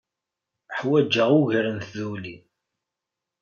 Ḥwajeɣ ugar n tduli.